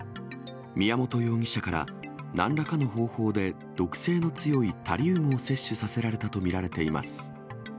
宮本容疑者から、なんらかの方法で毒性の強いタリウムを摂取させられたと見られています。